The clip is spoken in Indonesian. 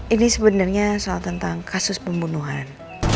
ini sebenarnya soal tentang kasus pembunuhan